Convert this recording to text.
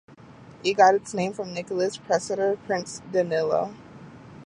It got its name after Nicholas' predecessor Prince Danilo.